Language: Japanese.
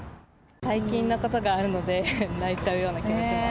最近のことがあるので、泣いちゃうような気もします。